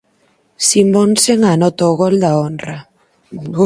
Simonsen anota o gol da honra.